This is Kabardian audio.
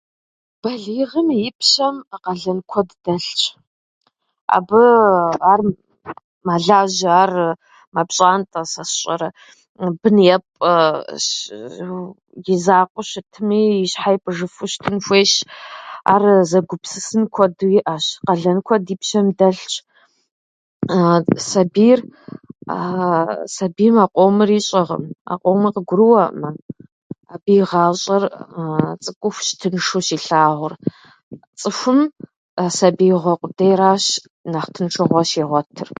Балигъым и пщэм къалэн кэуд дэлъщ. Абыы ар мэлажьэ, ар мэпщӏантӏэ, сэ сщӏэрэ, бын епӏ. Изакъуэу щытми, и щхьэр ипӏыжыфу щытын хуейщ. Ар зэгупсысын куэду иӏэщ. Къалэн куэд и пщэм дэлъщ. сабийр- Сабийм а къомыр ищӏэкъым, а къомыр къыгурыӏуэӏымэ. Абы и гъащӏэр цӏыкӏухущ тыншу щилъагъур. Цӏыхум сабиигъуэ къудейращ нэхъ тыншыгъуэ щигъуэтыр.